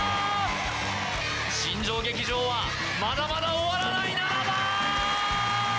新庄劇場はまだまだ終わらない７番！